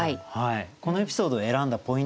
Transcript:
このエピソードを選んだポイントは？